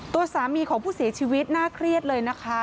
ตัวสามีของผู้เสียชีวิตน่าเครียดเลยนะคะ